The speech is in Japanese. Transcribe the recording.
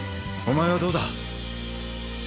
お前はどうだ？